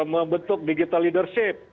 membentuk digital leadership